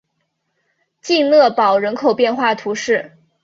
勒讷堡人口变化图示